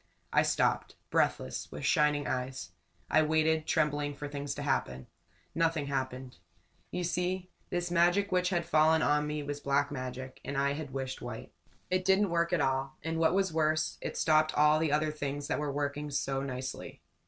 I stopped, breathless, with shining eyes. I waited, trembling, for things to happen. Nothing happened. You see, this magic which had fallen on me was black magic and I had wished white. It didn't work at all, and, what was worse, it stopped all the other things that were working so nicely.